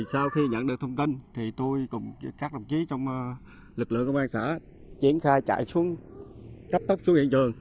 sau khi nhận được thông tin tôi cùng các đồng chí trong lực lượng công an xã chiến thai chạy xuống cắt tóc xuống hiện trường